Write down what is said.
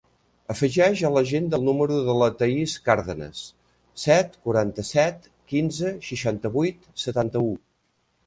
Afegeix a l'agenda el número de la Thaís Cardenes: set, quaranta-set, quinze, seixanta-vuit, setanta-u.